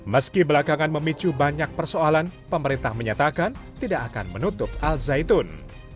meski belakangan memicu banyak persoalan pemerintah menyatakan tidak akan menutup al zaitun